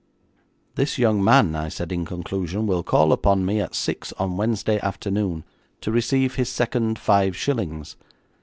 'This young man,' I said, in conclusion, 'will call upon me at six on Wednesday afternoon, to receive his second five shillings.